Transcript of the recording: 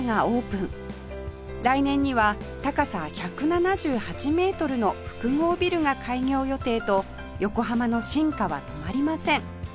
来年には高さ１７８メートルの複合ビルが開業予定と横浜の進化は止まりません